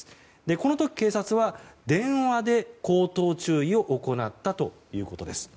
この時、警察は電話で口頭注意を行ったということです。